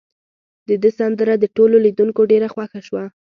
د ده سندره د ټولو لیدونکو ډیره خوښه شوه.